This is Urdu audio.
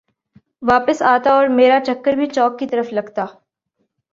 واپس آتا اورمیرا چکر بھی چوک کی طرف لگتا